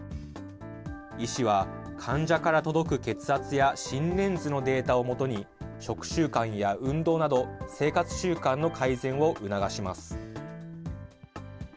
医師は患者から届く血圧や心電図のデータを基に、食習慣や運動など生活習慣の改善を促します。